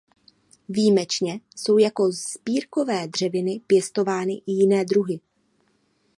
Výjimečně jsou jako sbírkové dřeviny pěstovány i jiné druhy.